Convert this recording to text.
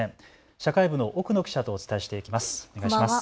社会部の奥野記者とお伝えしていきます。